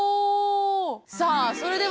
さあそれでは。